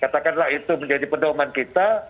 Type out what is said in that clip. katakanlah itu menjadi pedoman kita